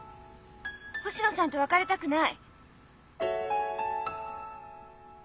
星野さんと別れたくない！